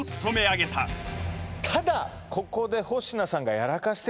ただここで何を？